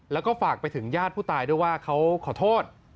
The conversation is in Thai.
แล้วก็ฝากไปถึงญาติผู้ตายด้วยว่าเขาขอโทษ